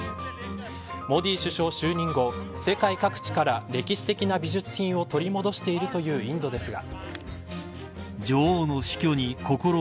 モディ首相就任後、世界各地から歴史的な美術品を取り戻しているというインドですが。